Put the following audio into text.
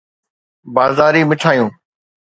بازاري مٺايون